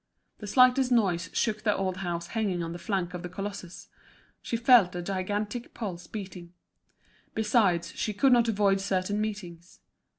The slightest noise shook the old house hanging on the flank of the colossus; she felt the gigantic pulse beating. Besides, she could not avoid certain meetings.